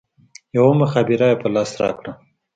يوه مخابره يې په لاس راکړه.